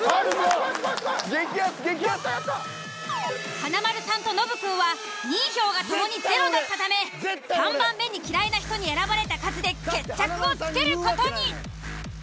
華丸さんとノブくんは２位票がともにゼロだったため３番目に嫌いな人に選ばれた数で決着をつける事に！